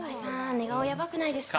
寝顔やばくないですか？